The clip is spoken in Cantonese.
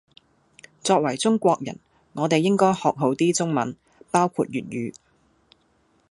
作為中國人我哋應該學好啲中文，包括粵語